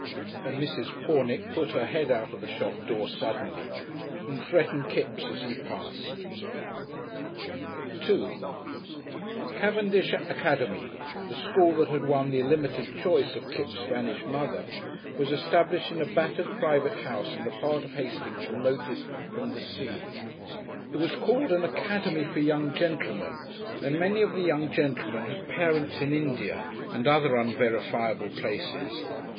And Mrs. Pornick put her head out of the shop door suddenly, and threatened Kipps as he passed. §2 "Cavendish Academy," the school that had won the limited choice of Kipps' vanished mother, was established in a battered private house in the part of Hastings remotest from the sea; it was called an Academy for Young Gentlemen, and many of the young gentlemen had parents in "India," and other unverifiable places.